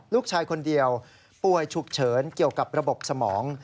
ลูกชายคนเดียวป่วยฉุกเฉินเกี่ยวกับระบบสมอง